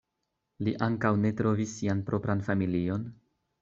Li ankaŭ ne trovis sian propran familion.